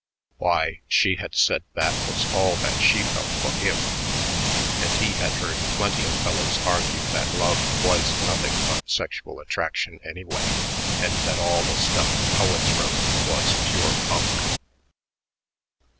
Why, she had said that was all that she felt for him. And he had heard plenty of fellows argue that love was nothing but sexual attraction anyway, and that all the stuff the poets wrote was pure bunk.